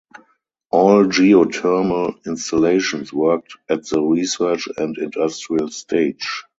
All geothermal installations worked at the research and industrial stage.